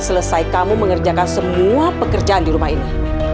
selesai kamu mengerjakan semua pekerjaan di rumah ini